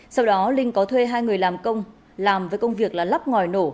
sau đó linh có thuê hai người làm công làm với công việc là lắp ngòi nổ